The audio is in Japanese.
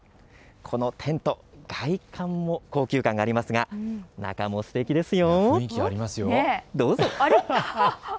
このテント、外観も高級感ありますが中もすてきですよ。